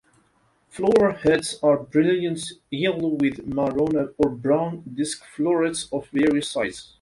Flower heads are brilliant yellow with maroon or brown disc florets of various sizes.